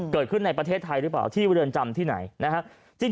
เกิดขึ้นในประเทศไทยหรือเปล่าที่เรือนจำที่ไหนนะฮะ